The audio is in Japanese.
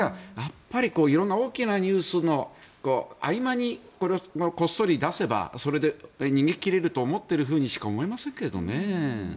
色んな大きなニュースの合間にこっそり出せばそれで逃げ切れると思っているというふうにしか思えませんけどね。